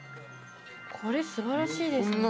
これ素晴らしいですね。